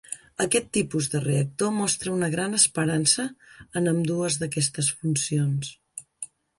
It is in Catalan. Aquest tipus de reactor mostra una gran esperança en ambdues d'aquestes funcions.